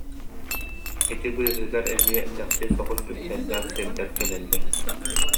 Ити быыһыгар эмиэ дэхси соҕус үктэллээх сирдэр кэлэллэр